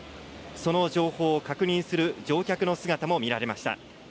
その情報を確認する乗客の姿も見られました。